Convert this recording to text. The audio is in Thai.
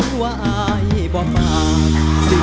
สมาธิพร้อมของก็สามารถตรวจช่วยที่๒